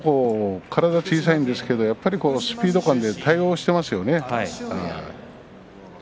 体は小さいんですけども、やはりスピード感で対応していますよね。